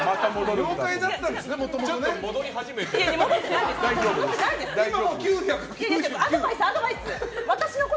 妖怪だったんですね、もともと。